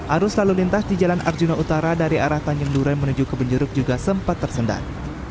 arus lalu lintas di jalan arjuna utara dari arah tanjung duren menuju ke benjeruk juga sempat tersendat